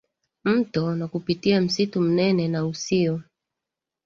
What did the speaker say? mto na kupitia msitu mnene na usio